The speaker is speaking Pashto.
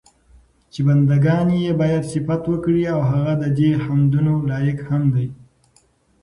چې بندګان ئي بايد صفت وکړي، او هغه ددي حمدونو لائق هم دی